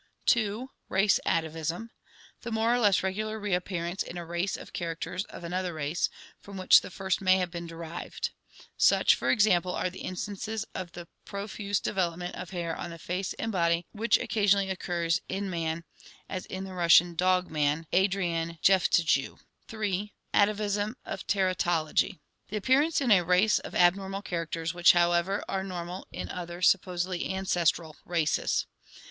2. Race atavism. The more or less regular reappearance in a race of characters of another race, from which the first may have been derived. Such, for example, are the instances of the profuse development of hair on the face and body which occasionally occurs in man, as in the Russian "dog man" Adrian Jeftichjew (see Fig. 244) 148 ORGANIC EVOLUTION 3. Atavism of teratology (Gr. repo9, wonder, monster). Tlie appearance in a race of abnormal characters which, however, are normal in other supposedly ancestral races.